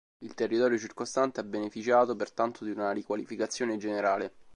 Il territorio circostante ha beneficiato, pertanto, di una riqualificazione generale.